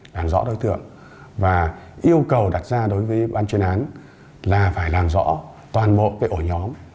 làm rõ đối tượng và yêu cầu đặt ra đối với ban chuyên án là phải làm rõ toàn bộ cái ổ nhóm